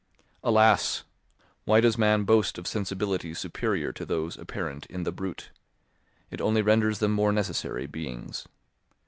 Alas! Why does man boast of sensibilities superior to those apparent in the brute; it only renders them more necessary beings.